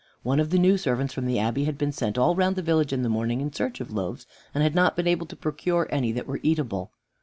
One of the new servants from the Abbey had been sent all round the village in the morning in search of loaves, and had not been able to procure any that were eatable.